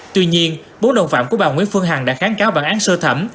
tuy nhiên bốn đồng phạm của bà nguyễn phương hằng đã kháng cáo bản án sơ thẩm